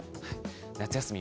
夏休み